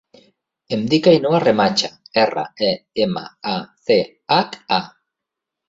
Em dic Ainhoa Remacha: erra, e, ema, a, ce, hac, a.